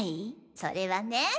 それはね。